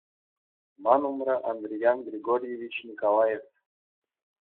Ман умра Андриян Григорьевич Николаев.